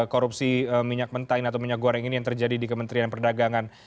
korupsi minyak mentah ini atau minyak goreng ini yang terjadi di kementerian perdagangan